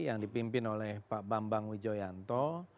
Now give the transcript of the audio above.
yang dipimpin oleh pak bambang wijoyanto